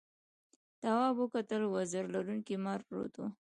تواب وکتل وزر لرونکي مار پروت و.